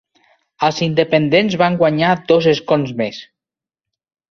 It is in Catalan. Els independents van guanyar dos escons més.